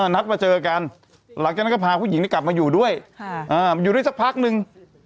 นัดมาเจอกันหลังจากนั้นก็พาผู้หญิงกลับมาอยู่ด้วยมาอยู่ด้วยสักพักนึง